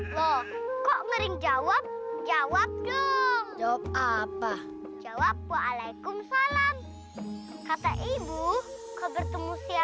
sampai jumpa di video selanjutnya